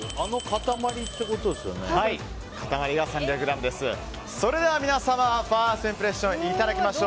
塊が３００ｇです。